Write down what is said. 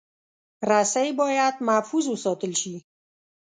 رسۍ باید محفوظ وساتل شي.